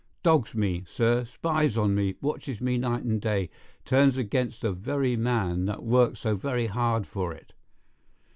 Dogs me, sir, spies on me, watches me night and day, turns against the very man that worked so very hard for it.